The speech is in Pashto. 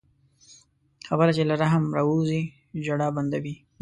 خبره چې له رحم راووځي، ژړا بندوي